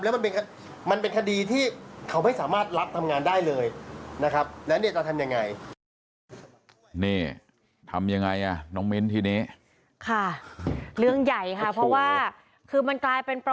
แล้วมันเป็นคดีที่เขาไม่สามารถรับทำงานได้เลยนะครับ